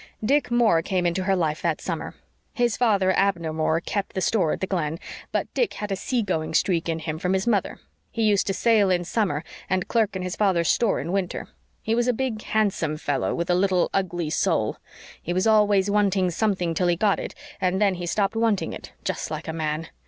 "Dick Moore came into her life that summer. His father, Abner Moore, kept store at the Glen, but Dick had a sea going streak in him from his mother; he used to sail in summer and clerk in his father's store in winter. He was a big, handsome fellow, with a little ugly soul. He was always wanting something till he got it, and then he stopped wanting it just like a man.